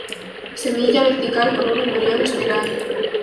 Semilla vertical con un embrión espiral.